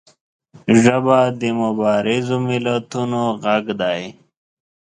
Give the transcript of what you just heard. ژبه د مبارزو ملتونو غږ دی